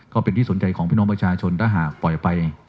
ก็เป็นที่สนใจของพี่น้องประชาชนถ้าหากปล่อยไป